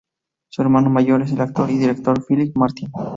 Su hermano mayor es el actor y director Philip Martin.